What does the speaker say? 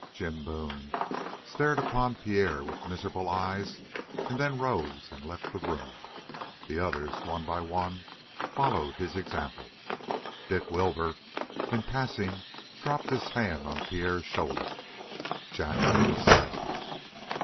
Jim Boone stared upon Pierre with miserable eyes, and then rose and left the room. The others one by one followed his example. Dick Wilbur in passing dropped his hand on Pierre's shoulder. Jacqueline was silent.